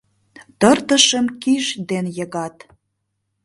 Тыртышым киш ден йыгат.